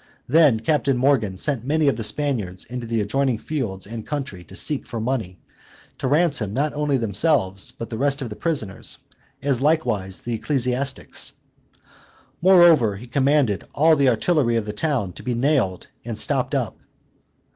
Then Captain Morgan sent many of the Spaniards into the adjoining fields and country to seek for money, to ransom not only themselves, but the rest of the prisoners, as likewise the ecclesiastics. Moreover, he commanded all the artillery of the town to be nailed and stopped up.